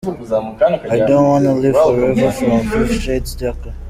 I Don’t Wanna Live Forever - from Fifty Shades Darker.